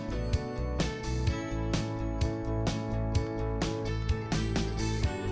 dan saya juga bisa menemukan kekuatan yang sangat menarik